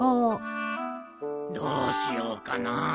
どうしようかな。